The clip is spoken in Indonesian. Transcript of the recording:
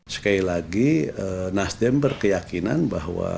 sekali lagi nasdem berkeyakinan bahwa